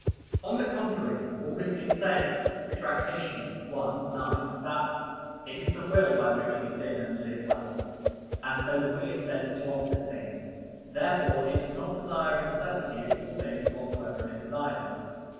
On the contrary, Augustine says (Retract. i, 9) that "it is the will by which we sin and live well," and so the will extends to opposite things. Therefore it does not desire of necessity all things whatsoever it desires.